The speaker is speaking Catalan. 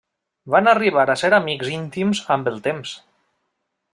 Van arribar a ser amics íntims amb el temps.